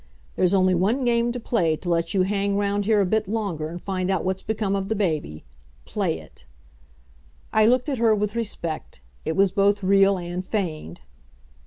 There's only one game to play to let you hang round here a bit longer and find out what's become of the baby. Play it!" I looked at her with respect; it was both real and feigned.